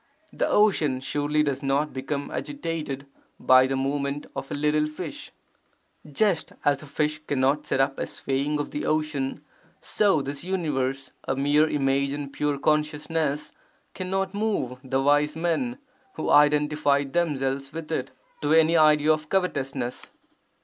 The ocean surely does not become agitated by the movement of a little fish. [Just as a fish cannot set up a swaying of the ocean, so this universe, a mere image in pure Consciousness, cannot move the wise men who identify themselves with it, to any idea of covetousness.